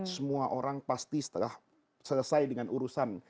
semua orang pasti setelah selesai dengan urusan